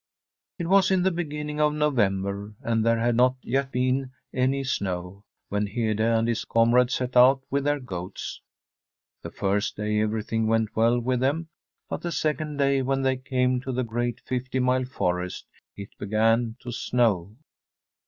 , It was in the beginning of November, and there had not yet been an^ snow, when Hede and his comrade set out with their goats. The first day everything went well with them, but the second day, when they came to the great Fifty Mile Forest, it began to snow.